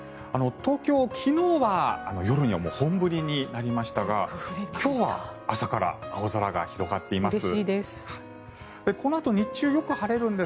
東京、昨日は夜にはもう本降りになりましたが今日は朝から青空が広がっています。